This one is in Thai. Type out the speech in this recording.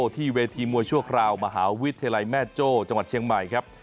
ที่เวทีมวยชั่วคราวมหาวิทยาลัยแม่โจ้จังหวัดเชียงใหม่ครับ